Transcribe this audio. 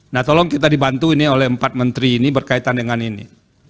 nah tolong kita dibantu ini oleh empat menteri ini berkaitan dengan ini